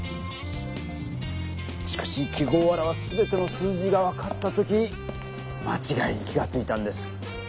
しかし記号を表すすべての数字が分かった時間ちがいに気がついたんです。